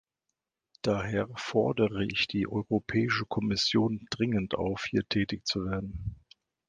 Daher fordere ich die Europäische Kommission dringend auf, hier tätig zu werden.